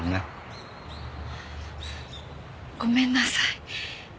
ごめんなさい。